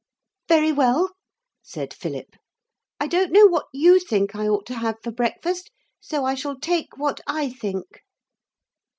'Very well,' said Philip. 'I don't know what you think I ought to have for breakfast, so I shall take what I think.'